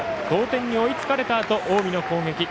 同点に追いつかれたあと近江の攻撃。